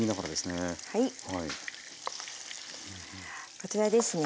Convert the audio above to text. こちらですね